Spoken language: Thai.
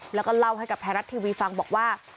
แล้วก็เล่าให้กับไทยรัฐทีวีฟังบอกว่า